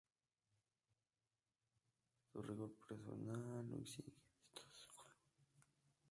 Su rigor personal, lo exige de todos sus colaboradores y jugadores.